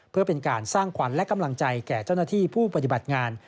เพื่อเป็นการสร้างขวัญและกำลังใจแก่เจ้าหน้าที่ผู้ปฏิบัติงาน